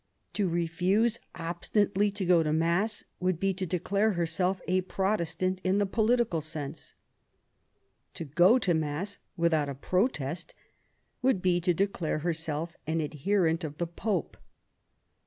To refuse obstinately to go to Mass would be to declare herself a Protestant in the political sense. To go to Mass without a protest would be to declare herself an adherent of the Pope.